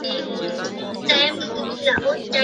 他还曾经两度荣膺金球奖最佳电影音乐奖。